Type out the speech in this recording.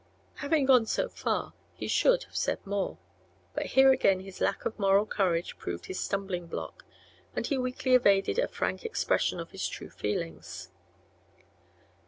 Having gone so far, he should have said more; but here again his lack of moral courage proved his stumbling block, and he weakly evaded a frank expression of his true feelings.